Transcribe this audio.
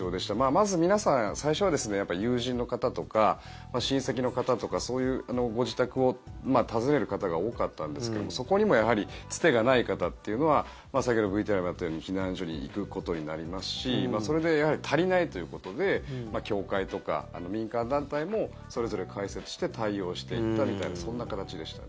まず皆さん、最初は友人の方とか親戚の方とかそういうご自宅を訪ねる方が多かったんですけどそこにもやはりつてがない方というのは先ほどＶＴＲにもあったように避難所に行くことになりますしそれで足りないということで教会とか民間団体もそれぞれ開設して対応していったみたいなそんな形でした。